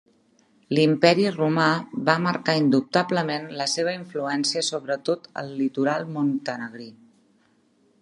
L'Imperi romà va marcar indubtablement la seva influència sobretot el litoral montenegrí.